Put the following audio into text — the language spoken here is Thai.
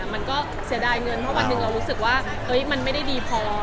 มันก็เสียดายเงินเพราะวันหนึ่งเรารู้สึกว่ามันไม่ได้ดีพอ